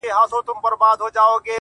او کيسه نه ختمېده!.